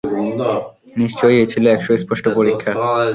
নিশ্চয়ই এ ছিল এক সুস্পষ্ট পরীক্ষা।